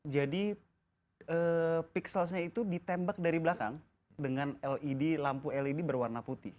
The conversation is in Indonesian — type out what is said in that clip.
jadi pixelnya itu ditembak dari belakang dengan lampu led berwarna putih